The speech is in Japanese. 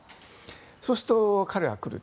そうすると彼は来る。